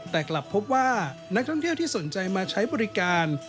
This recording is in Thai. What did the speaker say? แต่กลับพบว่านักท่องเที่ยวที่สนใจมาใช้บริการ